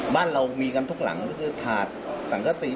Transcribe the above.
บ้านเรามีกันทุกหลังก็คือถาดสังกษี